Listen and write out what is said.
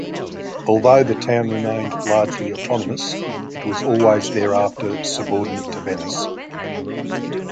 Although the town remained largely autonomous, it was always thereafter subordinate to Venice.